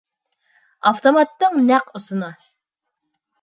Автоматтың нәҡ осона.